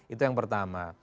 itu yang pertama